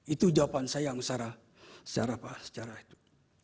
itu jawaban saya yang secara itu